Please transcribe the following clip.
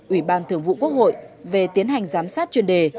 ủy ban thường vụ quốc hội về tiến hành giám sát chuyên đề